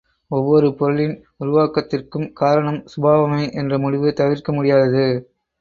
ஒவ்வொரு பொருளின் உருவாக்கத்திற்கும் காரணம் சுபாவமே என்ற முடிவு தவிர்க்க முடியாதது.